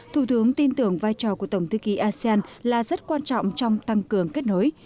thủ tướng tin tưởng vai trò của tổng thư ký asean là rất quan trọng trong tăng cường kết nối